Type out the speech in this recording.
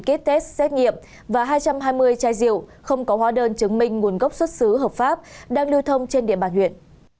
ký test xét nghiệm và hai trăm hai mươi chai rượu không có hóa đơn chứng minh nguồn gốc xuất xứ hợp pháp đang lưu thông trên địa bàn huyện